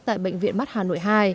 tại bệnh viện mắt hà nội